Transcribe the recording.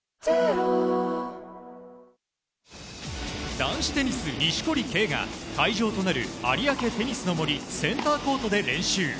男子テニス錦織圭が会場となる有明テニスの森センターコートで練習。